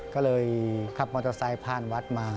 ก็เลยขับมอเตอร์ไซค์ผ่านวัดมา